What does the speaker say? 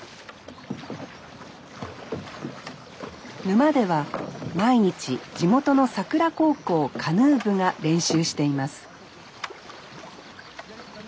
沼では毎日地元の佐倉高校カヌー部が練習しています